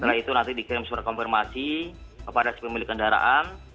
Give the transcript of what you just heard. setelah itu nanti dikirim surat konfirmasi kepada si pemilik kendaraan